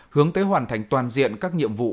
hướng tới hoàn thành toàn diện các nhiệm vụ